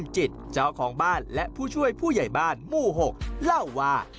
จิตเจ้าของบ้านและผู้ช่วยผู้ใหญ่บ้านหมู่๖เล่าว่า